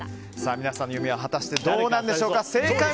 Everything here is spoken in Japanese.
皆さんの読みは果たしてどうなんでしょうか。